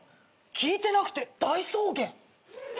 聞いてなくて大草原。